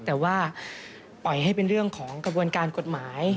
แต่ว่าปล่อยให้เป็นเรื่องของกระบวนการกฎหมาย